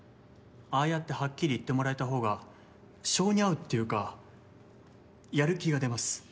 ああやってはっきり言ってもらえたほうが性に合うっていうかやる気が出ます。